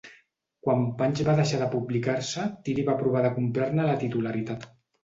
Quan "Punch" va deixar de publicar-se, Tidy va provar de comprar-ne la titularitat.